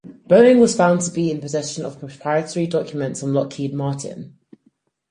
Boeing was found to be in possession of proprietary documents from Lockheed Martin.